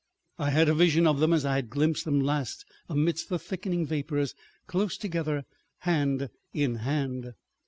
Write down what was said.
I had a vision of them as I had glimpsed them last amidst the thickening vapors, close together, hand in hand.